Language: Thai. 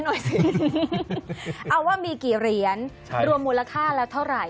หน่อยสิเอาว่ามีกี่เหรียญรวมมูลค่าแล้วเท่าไหร่